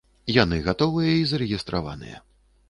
Яны гатовыя і зарэгістраваныя.